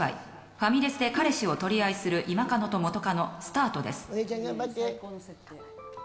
ファミレスで彼氏を取り合いする今カノと元カノスタートです。